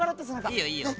いいよいいよ。